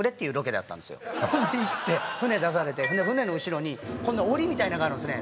それで行って船出されて船の後ろにこんな檻みたいなのがあるんですね。